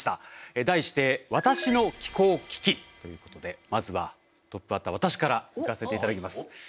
題してまずはトップバッター私からいかせていただきます。